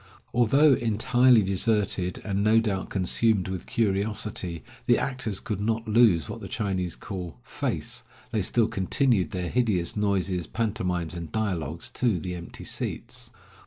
Although entirely deserted, and no doubt consumed with curiosity, the actors could not lose what the Chinese call "face." They still continued their hideous noises, pantomimes, and dialogues to the empty seats.